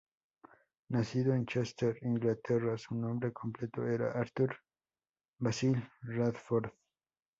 Nacido en Chester, Inglaterra, su nombre completo era Arthur Basil Radford.